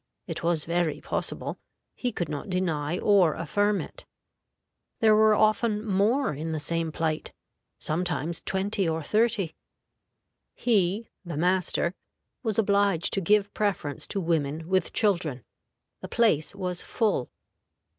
It was very possible. He could not deny or affirm it. There were often more in the same plight sometimes twenty or thirty. He (the master) was obliged to give preference to women with children. The place was full.